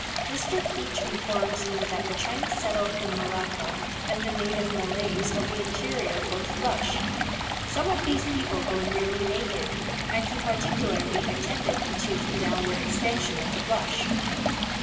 Mr. Geach informs me that the Chinese settled in Malacca and the native Malays of the interior both blush. Some of these people go nearly naked, and he particularly attended to the downward extension of the blush.